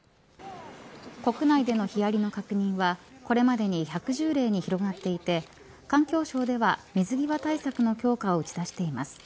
国内でのヒアリの確認はこれまでに１１０例に広がっていて環境省では水際対策の強化を打ち出しています。